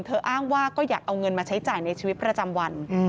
อ้างว่าก็อยากเอาเงินมาใช้จ่ายในชีวิตประจำวัน